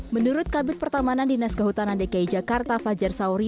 menurut kabit pertamanan dinas kehutanan dki jakarta fajar sauri